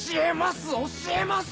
教えます！